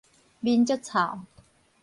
面足臭